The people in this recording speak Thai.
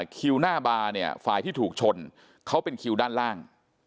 คิวหน้าบาร์เนี่ยฝ่ายที่ถูกชนเขาเป็นคิวด้านล่าง